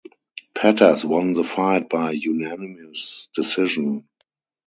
Pettas won the fight by unanimous decision.